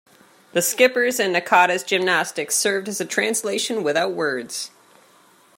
The skipper's and Nakata's gymnastics served as a translation without words.